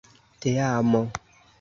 teamo